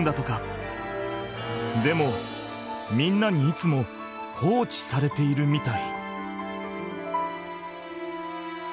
でもみんなにいつも放置されているみたい。